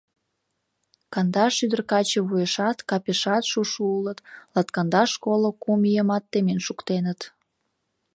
Кандаш ӱдыр-каче вуешат, капешат шушо улыт, латкандаш-коло кум ийымат темен шуктеныт.